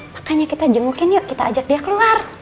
makanya kita jengukin yuk kita ajak dia keluar